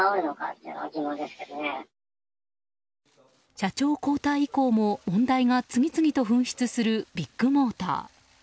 社長交代以降も、問題が次々と噴出するビッグモーター。